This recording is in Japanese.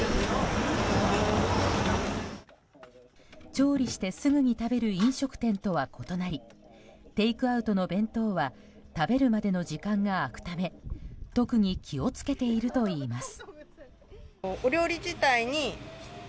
調理してすぐに食べる飲食店とは異なりテイクアウトの弁当は食べるまでの時間が空くため特に気を付けているといいます。